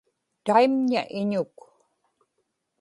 taimña iñuk